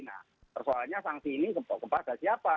nah persoalannya sanksi ini kepada siapa